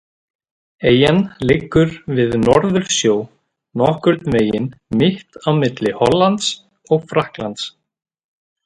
Eyjan liggur við Norðursjó, nokkurn veginn mitt á milli Hollands og Frakklands.